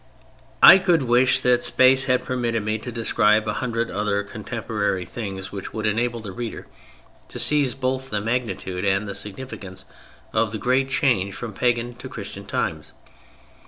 I could wish that space had permitted me to describe a hundred other contemporary things which would enable the reader to seize both the magnitude and the significance of the great change from Pagan to Christian times.